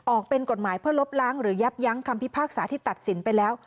ออกเป็นกฎหมายเพื่อลบล้างหรือยับยั้งคำพิพากษาที่ตัดสินไปแล้ว